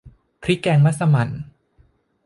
พริกแกงมัสมั่น